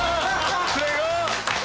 すごっ！